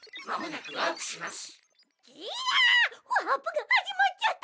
ワープがはじまっちゃった！